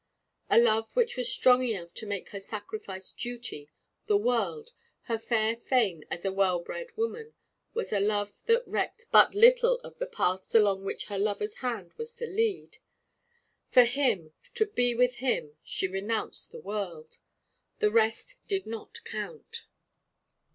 A love which was strong enough to make her sacrifice duty, the world, her fair fame as a well bred woman, was a love that recked but little of the paths along which her lover's hand was to lead. For him, to be with him, she renounced the world. The rest did not count.